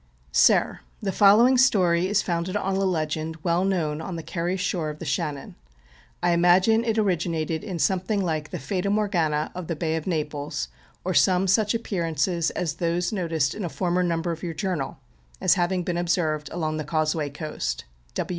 The following story is founded on a legend well known on the Kerry shore of the Shannon : I imagine it originated in, Something like the Fata Morgans ŌĆó of the Bay of Naples, \or some such appearances as those, noticed in a former Number of your Journal, as having been observed along the Causeway Coast.